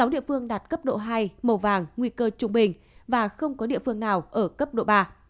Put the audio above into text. sáu địa phương đạt cấp độ hai màu vàng nguy cơ trung bình và không có địa phương nào ở cấp độ ba